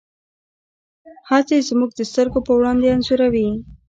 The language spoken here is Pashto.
هڅې زموږ د سترګو په وړاندې انځوروي.